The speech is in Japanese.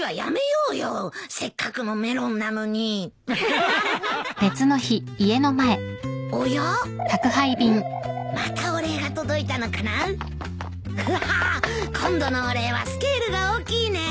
うわ今度のお礼はスケールが大きいねえ。